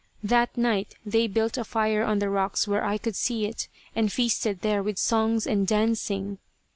That night they built a fire on the rocks where I could see it; and feasted there with songs and dancing.